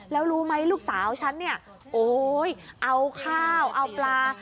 แล้วรู้ไหมลูกสาวฉันเนี่ยโอ้ยเอาข้าวเอาปลา